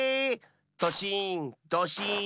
ドシーンドシーン！